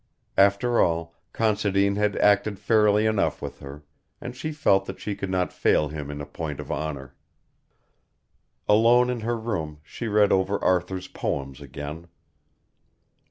After all Considine had acted fairly enough with her, and she felt that she could not fail him in a point of honour. Alone in her room she read over Arthur's poems again.